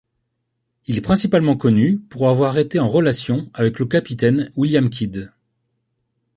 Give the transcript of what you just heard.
Il est principalement connu pour avoir été en relation avec le capitaine William Kidd.